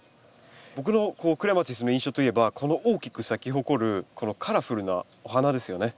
僕のクレマチスの印象といえばこの大きく咲き誇るこのカラフルなお花ですよね。